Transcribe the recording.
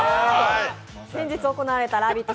先日行われた「ラヴィット！